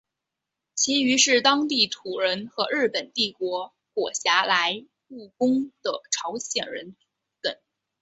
其余是当地土人和日本帝国裹挟来务工的朝鲜人等。